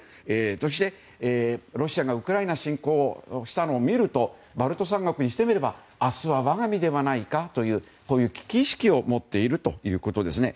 そして、ロシアがウクライナ侵攻したのを見るとバルト三国にしてみれば明日は我が身ではないかという危機意識を持っているということですね。